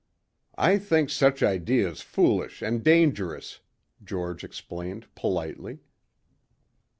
"I think such ideas foolish and dangerous," George explained politely.